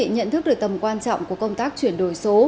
nhận thức được tầm quan trọng của công tác chuyển đổi số